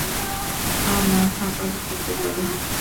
আমার হাঁপানি হতে পারে।